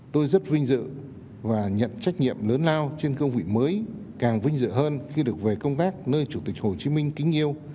tôi rất vinh dự và nhận trách nhiệm lớn lao trên cương vị mới càng vinh dự hơn khi được về công tác nơi chủ tịch hồ chí minh kính yêu